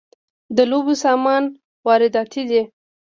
د لوبو سامان وارداتی دی